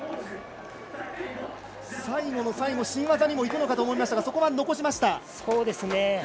最後の最後、新技にもいくかと思いましたがそこは残しました。